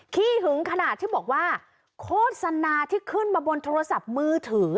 ขี้หึงขนาดที่บอกว่าโฆษณาที่ขึ้นมาบนโทรศัพท์มือถือ